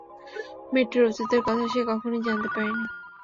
মেয়েটির অস্তিত্বের কথা সে কখনোই জানতে পারেনি।